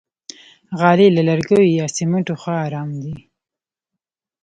غالۍ له لرګیو یا سمنټو ښه آرام دي.